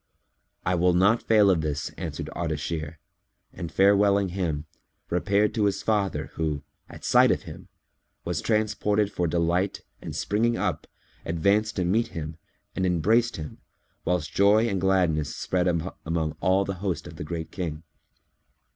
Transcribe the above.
"I will not fail of this," answered Ardashir and farewelling him, repaired to his father who, at sight of him, was transported for delight and springing up, advanced to meet him and embraced him, whilst joy and gladness spread among all the host of the Great King.